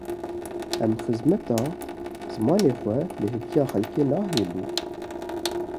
Em xizmeta zimanê xwe li hêviya xelkê nehêlin.